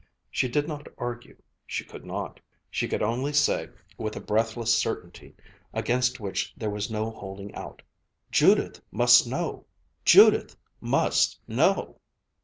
She did not argue; she could not. She could only say with a breathless certainty against which there was no holding out: "Judith must know! Judith must know!"